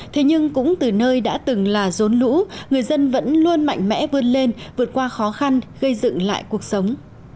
thế nhưng cũng từ nơi đã từng là rốn lũ người dân vẫn luôn mạnh mẽ vươn lên vượt qua khó khăn gây dựng lại cuộc sống